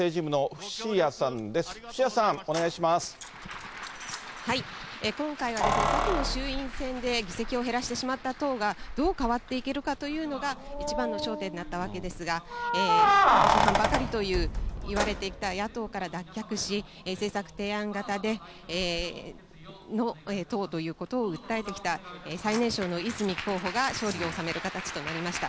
ふしやさん、今回は、先の衆院選で議席を減らしてしまった党がどう変わっていけるかというのが、一番の焦点になったわけですが、批判ばかりといわれてきた野党から脱却し、政策提案型の党ということを訴えてきた、最年少の泉候補が勝利を収める形となりました。